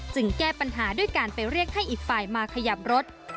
แก้ปัญหาด้วยการไปเรียกให้อีกฝ่ายมาขยับรถ